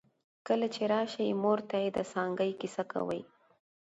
کله چې راشې مور ته يې د څانګې کیسه کوي